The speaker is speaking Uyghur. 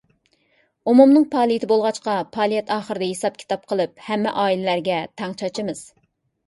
ئومۇمنىڭ پائالىيىتى بولغاچقا، پائالىيەت ئاخىرىدا ھېساب-كىتاب قىلىپ، ھەممە ئائىلىلەرگە تەڭ چاچىمىز.